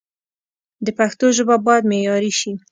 د پښتو ژبه باید معیاري شي